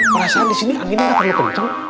merasaan disini anginnya gak terlalu kenceng